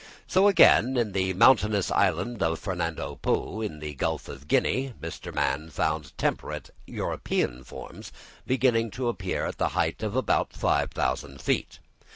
So again in the mountainous island of Fernando Po, in the Gulf of Guinea, Mr. Mann found temperate European forms beginning to appear at the height of about five thousand feet.